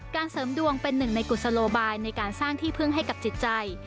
เสริมดวงเป็นหนึ่งในกุศโลบายในการสร้างที่พึ่งให้กับจิตใจ